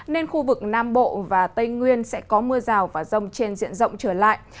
nên khu vực nam bộ và tây nguyên sẽ có mưa rào và rông trên diện rộng trở lại